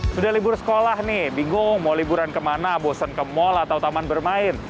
sudah libur sekolah nih bingung mau liburan kemana bosan ke mall atau taman bermain